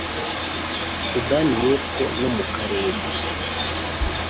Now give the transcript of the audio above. Sudani y’Epfo no mu karere